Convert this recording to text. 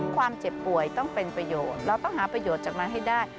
ความเจ็บป่วยต้องเป็นประโยชน์เราต้องหาประโยชน์จากนั้นให้ได้